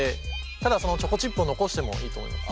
ただそのチョコチップを残してもいいと思います。